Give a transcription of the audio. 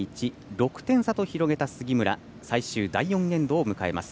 ６点差と広げた杉村最終第４エンドを迎えます。